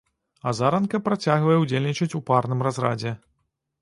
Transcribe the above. Азаранка працягвае ўдзельнічаць у парным разрадзе.